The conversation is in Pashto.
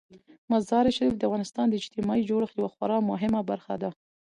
مزارشریف د افغانستان د اجتماعي جوړښت یوه خورا مهمه برخه ده.